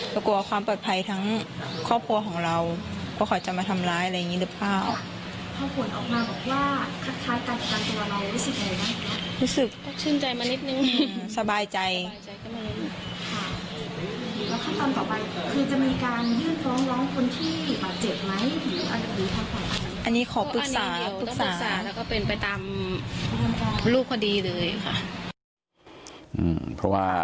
ก็กลัวความปลอดภัยทั้งครอบครัวของเราว่าเขาจะมาทำร้ายอะไรอย่างนี้หรือเปล่า